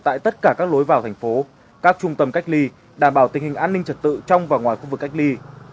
tại tất cả các lối vào thành phố các trung tâm cách ly đảm bảo tình hình an ninh trật tự trong và ngoài khu vực cách ly